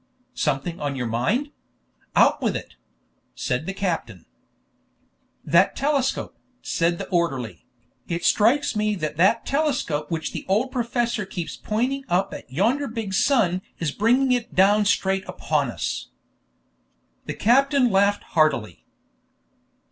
"Something on your mind? Out with it!" said the captain. "That telescope!" said the orderly; "it strikes me that that telescope which the old professor keeps pointed up at yonder big sun is bringing it down straight upon us." The captain laughed heartily.